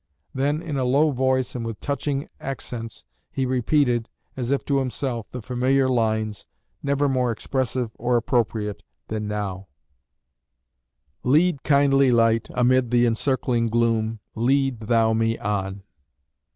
Then in a low voice and with touching accents he repeated, as if to himself, the familiar lines never more expressive or appropriate than now, Lead, kindly light, amid the encircling gloom, Lead thou me on.